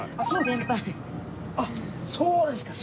そうですか。